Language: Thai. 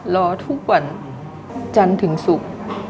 รอทุกวันจันทร์ถึงศุกร์